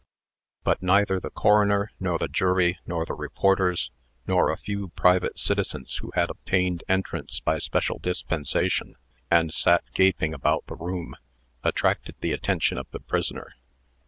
But neither the coroner, nor the jury, nor the reporters, nor the few private citizens who had obtained entrance by special dispensation, and sat gaping about the room, attracted the attention of the prisoner.